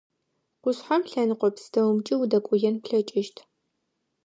Къушъхьэм лъэныкъо пстэумкӏи удэкӏоен плъэкӏыщт.